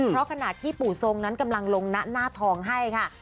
เพราะขณะที่ปู่ทรงนั้นกำลังลงหน้าทองให้ค่ะ